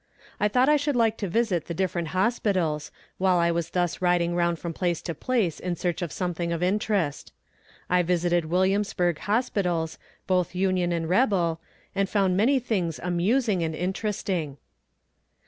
I thought I should like to visit the different hospitals, while I was thus riding round from place to place in search of something of interest. I visited Williamsburg Hospitals, both Union and rebel, and found many things amusing and interesting.